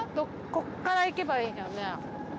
ここから行けばいいんだよね？